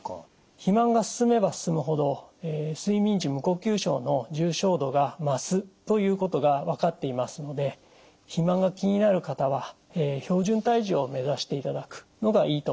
肥満が進めば進むほど睡眠時無呼吸症の重症度が増すということが分かっていますので肥満が気になる方は標準体重を目指していただくのがいいと思います。